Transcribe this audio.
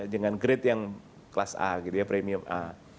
dengan grade yang kelas a premium a